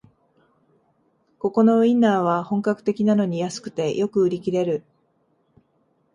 ここのウインナーは本格的なのに安くてよく売り切れる